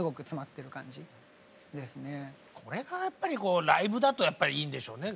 これがやっぱりライブだとやっぱりいいんでしょうね。